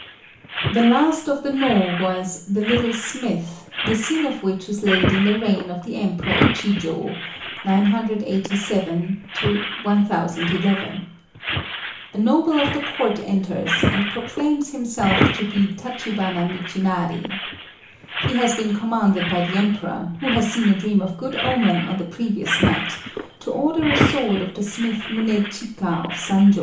The last of the Nô was The Little Smith, the scene of which is laid in the reign of the Emperor Ichijô (A.D. 987 1011). A noble of the court enters, and proclaims himself to be Tachibana Michinari. He has been commanded by the Emperor, who has seen a dream of good omen on the previous night, to order a sword of the smith Munéchika of Sanjô.